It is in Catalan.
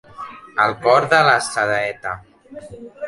El cor de la saeta.